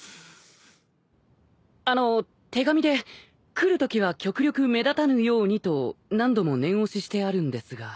あの手紙で「来るときは極力目立たぬように」と何度も念押ししてあるんですが。